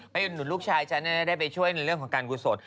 วัยดูลูกชายฉันเนี่ยได้ไปช่วยในเรื่องของการกูสด